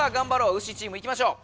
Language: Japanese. ウシチームいきましょう。